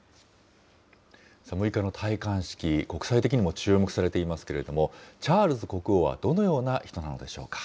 ６日の戴冠式、国際的にも注目されていますけれども、チャールズ国王はどのような人なのでしょうか。